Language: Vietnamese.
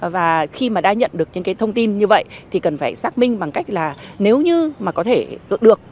và khi mà đã nhận được những cái thông tin như vậy thì cần phải xác minh bằng cách là nếu như mà có thể được